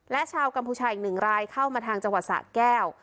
และชาวกัมพูชาอีกหนึ่งรายเข้ามาทางจังหวัดสะแก้ว